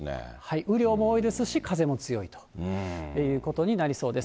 雨量も多いですし、風も強いということになりそうです。